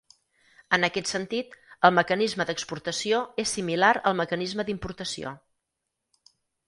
En aquest sentit, el mecanisme d'exportació és similar al mecanisme d'importació.